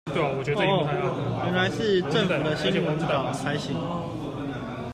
喔喔原來是政府的新聞稿才行